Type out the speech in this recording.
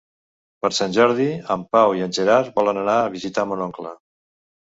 Per Sant Jordi en Pau i en Gerard volen anar a visitar mon oncle.